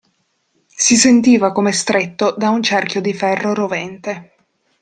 Si sentiva come stretto da un cerchio di ferro rovente.